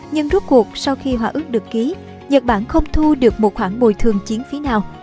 nhưng rút cuộc sau khi hỏa ước được ký nhật bản không thu được một khoản bồi thường chiến phí nào